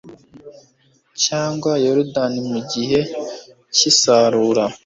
cyangwa yorudani mu gihe cy'isarura